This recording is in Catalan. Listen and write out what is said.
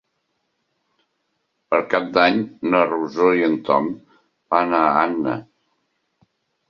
Per Cap d'Any na Rosó i en Tom van a Anna.